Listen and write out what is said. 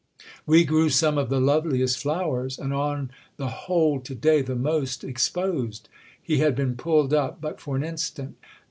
"We grew some of the loveliest flowers—and on the whole to day the most exposed." He had been pulled up but for an instant.